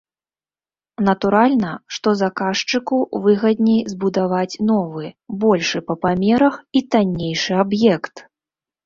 Натуральна, што заказчыку выгадней збудаваць новы, большы па памерах і таннейшы аб'ект.